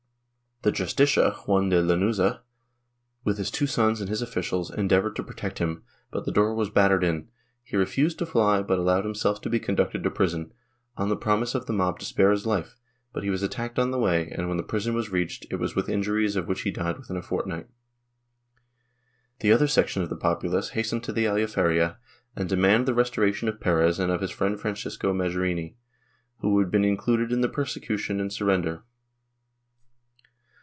The Justicia, Juan de Lanuza, with his two sons and his officials, endeavored to protect him, but the door was battered in; he refused to fly, but allowed himself to be con ducted to prison, on the promise of the mob to spare his hfe, but he was attacked on the way and, when the prison was reached, it was with injuries of which he died within a fortnight. The other section of the populace hastened to the Aljaferia and demanded the restoration of Perez and of his friend Francisco Majorini, who had been included in the prosecution and surrender.